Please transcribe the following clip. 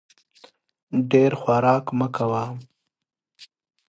ډېر خوراک مه کوه !